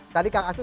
tadi kak asep